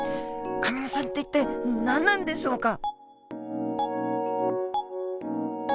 アミノ酸って一体何なんでしょうか。